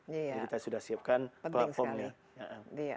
jadi kita sudah siapkan platformnya